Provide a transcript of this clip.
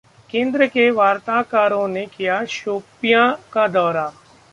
केंद्र के वार्ताकारों ने किया शोपियां का दौरा